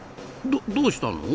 どうしたの？